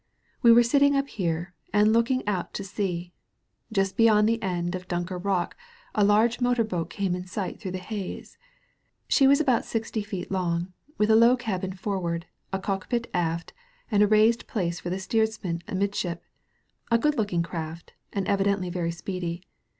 We were sitting up here and looking out to sea. Just beyond the end of Dunker Rock a large motor boat came in sight through the haze. She was about sixty feet long, with a low cabin for ward, a cockpit aft, and a raised place for the steersman amidship — ^a good looking craft, and evidently very speedy.